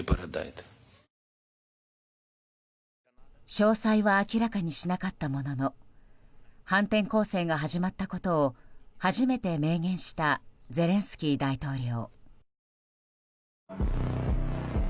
詳細は明らかにしなかったものの反転攻勢が始まったことを初めて明言したゼレンスキー大統領。